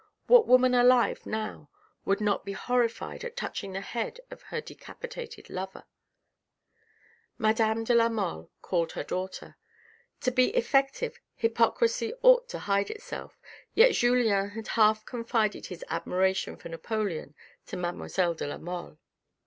What woman alive now would not be horrified at touching the head of her decapitated lover ?" Madame de la Mole called her daughter. To be effective hypocrisy ought to hide itself, yet Julien had half confided his admiration for Napoleon to mademoiselle de la Mole.